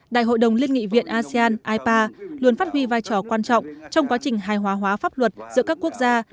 đại hội đồng liên nghị viện asean ipa luôn phát huy vai trò quan trọng trong quá trình hài hóa hóa pháp luật giữa các quốc gia